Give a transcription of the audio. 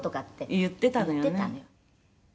「言ってたのよ」